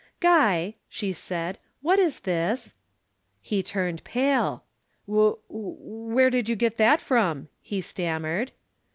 "'Guy,' she said. 'What is this?' "He turned pale. 'W w here did you get that from?' he stammered.